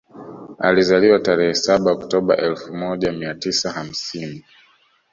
Alizaliwa tarehe saba Octoba elfu moja mia tisa hamsini